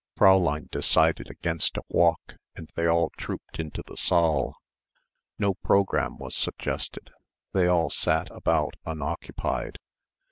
Fräulein decided against a walk and they all trooped into the saal. No programme was suggested; they all sat about unoccupied.